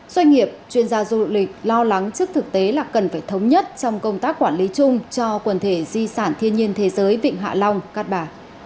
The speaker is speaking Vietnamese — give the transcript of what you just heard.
doanh nghiệp chuyên gia du lịch lo lắng trước thực tế là cần phải thống nhất trong công tác quản lý chung cho quần thể di sản thiên nhiên thế giới vịnh hạ long cát bà